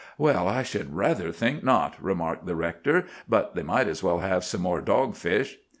"'Well, I should rather think not," remarked the rector. 'But they might as well have some more dogfish.